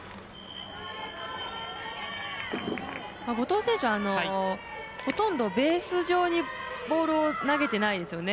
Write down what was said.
後藤選手はほとんどベース上にボールを投げてないんですよね。